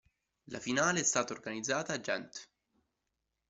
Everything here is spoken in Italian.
La finale è stata organizzata a Gent.